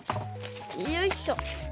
よいしょ。